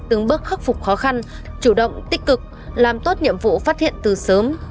từng bước khắc phục khó khăn chủ động tích cực làm tốt nhiệm vụ phát hiện từ sớm